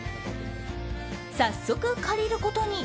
早速、借りることに。